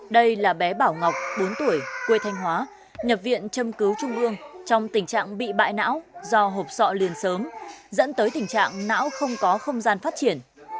đây là bé bảo ngọc bốn tuổi quê thanh hóa nhập viện châm cứu trung ương trong tình trạng bị bại não do hộp sọ liền sớm dẫn tới tình trạng não không có không gian phát triển